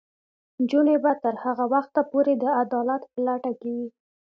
نجونې به تر هغه وخته پورې د عدالت په لټه کې وي.